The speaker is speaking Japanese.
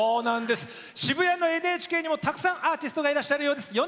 渋谷のＮＨＫにもたくさんのアーティストがいらっしゃるようです。